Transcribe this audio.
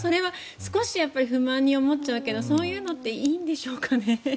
そこはちょっと不満に思っちゃうけどそういうのっていいんでしょうかね？